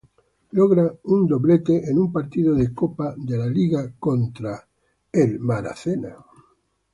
Logra un doblete en un partido de Copa de la Liga contra el Sochaux.